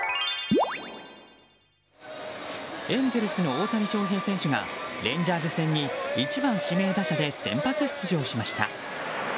エンゼルスの大谷翔平選手がレンジャーズ戦に１番指名打者で先発出場しました。